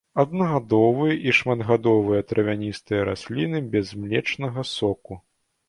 Аднагадовыя і шматгадовыя травяністыя расліны без млечнага соку.